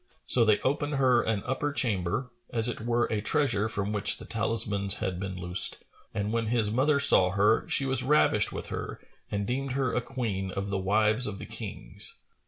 So they opened her an upper chamber, as it were a treasure from which the talismans had been loosed;[FN#443] and when his mother saw her, she was ravished with her and deemed her a Queen of the wives of the Kings.